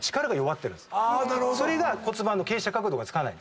それが骨盤の傾斜角度がつかないんです。